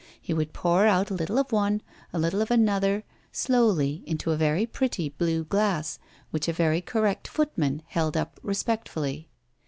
He would pour out a little of one, a little of another, slowly into a very pretty blue glass, which a very correct footman held up respectfully.